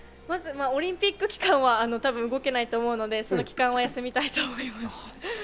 オリンピック期間は動けないと思うので、その期間は休もうと思います。